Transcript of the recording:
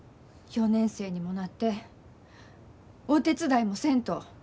４年生にもなってお手伝いもせんと。